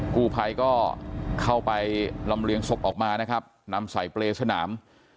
กู้ภัยก็เข้าไปลำเลียงศพออกมานะครับนำใส่เปรย์สนาม